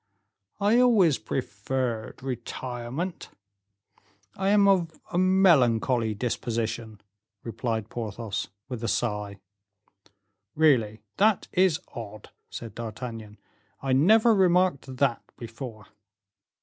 "I always preferred retirement. I am of a melancholy disposition," replied Porthos, with a sigh. "Really, that is odd," said D'Artagnan, "I never remarked that before."